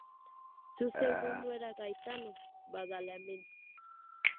Su segundo era Gaetano Badalamenti.